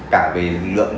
cả về lượng